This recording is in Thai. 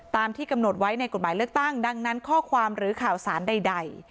ที่กำหนดไว้ในกฎหมายเลือกตั้งดังนั้นข้อความหรือข่าวสารใด